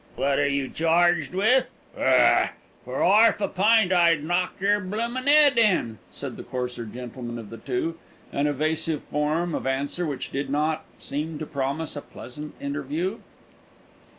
"What are you charged with? Grr ! For 'arf a pint I'd knock your bloomin 'ed in!" said the coarser gentleman of the two an evasive form of answer which did not seem to promise a pleasant interview.